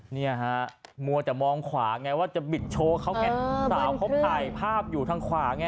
นี่มัวจะมองขวาบิดโฉมัน